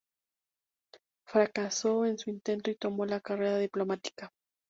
Fracasó en su intento y tomó la carrera diplomática.